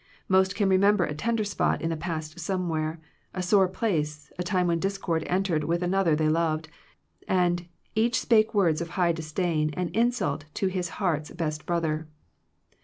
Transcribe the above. Most can remember a tender spot in the past somewhere, a sore place, a time when discord entered with another they loved, and Each spake words of high dlidato And insult to hte heart's best brother.